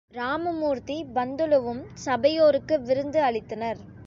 ராமமூர்த்தி பந்துலுவும் சபையோருக்கு விருந்து அளித்தனர்.